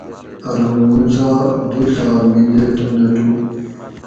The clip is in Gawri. ارو موسیٰ دو ڷا میلٹ نٹو